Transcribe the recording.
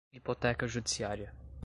hipoteca judiciária